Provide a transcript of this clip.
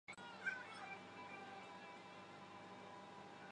后复旧名。